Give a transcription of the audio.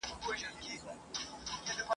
خدای خبر چي به مستیږي زما غزل پر شهبازونو ..